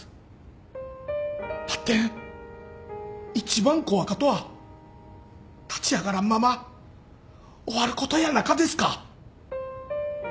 ばってん一番怖かとは立ち上がらんまま終わることやなかですか